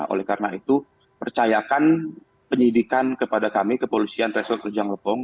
oleh karena itu percayakan penyidikan kepada kami kepolisian resort rejang lepong